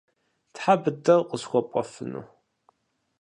Тхьэ быдэу къысхуэпӀуэфыну?